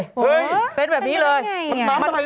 เฮ้ยอ๋อเป็นแบบนี้ไงสมัครับไหนลึมพี่